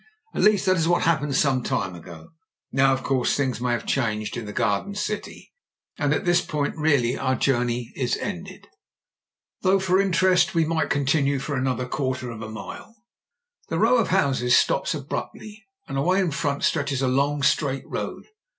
At least, that is what happened some time ago ; now, of course, things may have changed in the garden city. And at this point really our journey is ended. JIM BRENTS V.C. 123 though for interest we might continue for another quarter of a mile. The row of houses stops abruptly, and away in front stretches a long straight road.